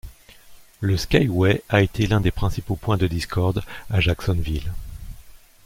Le Skyway a été l'un des principaux points de discorde à Jacksonville.